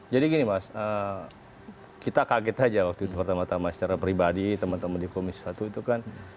jadi gini mas kita kaget saja waktu itu pertama tama secara pribadi teman teman di komisi satu itu kan